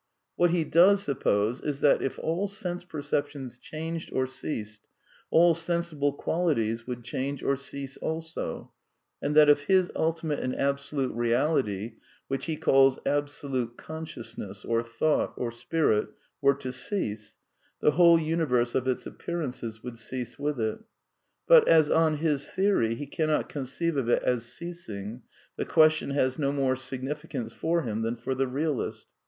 What he does suppose is that, if all sense perceptions changed or ceased, all sensible quali ties would (Change or cease also, and that if his ultimate and absolute Eeality, which he calls absolute Consciousness or Thought or Spirit, were to cease, the whole universe of its appearances would cease with it. But as, on his theory, he cannot conceive of it as ceasing, the question has no more significance for him than for the realist.